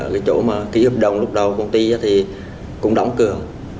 cái chỗ mà ký hợp đồng lúc đầu công ty thì cũng đóng cửa